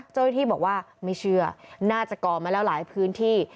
เจ้าหน้าที่บอกว่าไม่เชื่อน่าจะก่อมาแล้วหลายพื้นที่